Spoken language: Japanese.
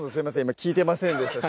今聞いてませんでした